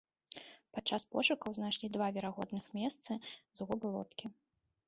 Падчас пошукаў знайшлі два верагодных месцы згубы лодкі.